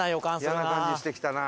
イヤな感じしてきたな。